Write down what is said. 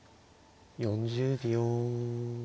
４０秒。